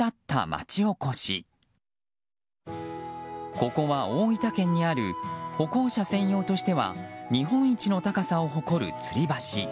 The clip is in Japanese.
ここは大分県にある歩行者専用としては日本一の高さを誇る、つり橋。